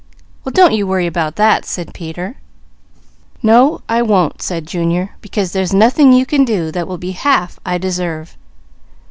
"Well, don't you worry about that," said Peter. "No I won't," said Junior, "because there's nothing you can do that will be half I deserve."